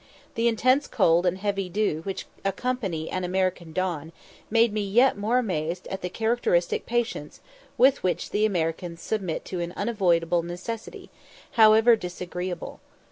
The intense cold and heavy dew which accompany an American dawn made me yet more amazed at the characteristic patience with which the Americans submit to an unavoidable necessity, however disagreeable.